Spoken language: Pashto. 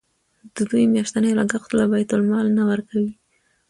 د دوی میاشتنی لګښت له بیت المال نه ورکوئ.